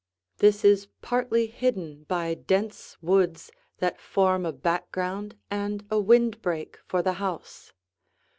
This is partly hidden by dense woods that form a background and a windbreak for the house.